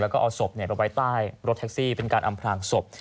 แล้วก็เอาศพไปไว้ใต้รถแท็กซี่เป็นการอำพลางศพ